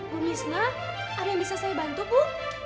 bu misna ada yang bisa saya bantu bu